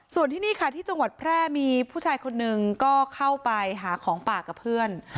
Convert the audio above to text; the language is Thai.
ส่วนที่นี่ค่ะที่จังหวัดแพร่มีผู้ชายคนนึงก็เข้าไปหาของป่ากับเพื่อน